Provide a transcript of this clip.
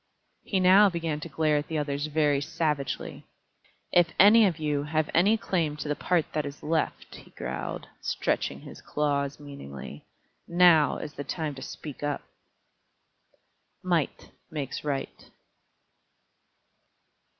He now began to glare at the others very savagely. "If any of you have any claim to the part that is left," he growled, stretching his claws meaningly, "now is the time to speak up." _Might makes right.